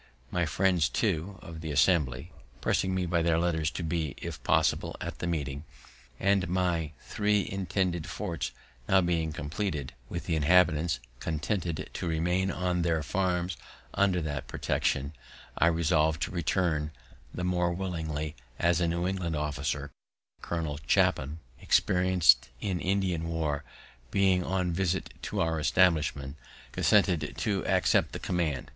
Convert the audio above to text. My friends, too, of the Assembly, pressing me by their letters to be, if possible, at the meeting, and my three intended forts being now compleated, and the inhabitants contented to remain on their farms under that protection, I resolved to return; the more willingly, as a New England officer, Colonel Clapham, experienced in Indian war, being on a visit to our establishment, consented to accept the command.